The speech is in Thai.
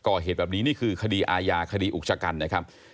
ก่อเหตุแบบนี้นี่คือคดีอาญาคดีอุกชะกันนะครับ